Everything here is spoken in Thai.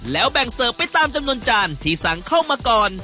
แล้วแบ่งเสิร์ฟไปตามจำนวนจานที่สั่งเข้ามาก่อน